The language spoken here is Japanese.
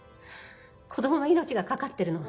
子どもの命がかかってるの。